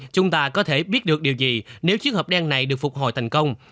chúng ta có thể biết được điều gì nếu chiếc hộp đen này được phục hồi thành công